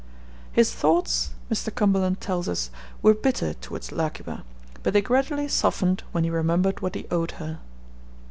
'His thoughts,' Mr. Cumberland tells us, 'were bitter towards La ki wa, but they gradually softened when he remembered what he owed her.'